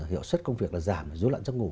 hiệu suất công việc là giảm rút lặn giấc ngủ